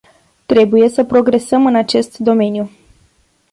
Trebuie să progresăm în acest domeniu.